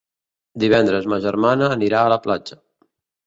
Divendres ma germana anirà a la platja.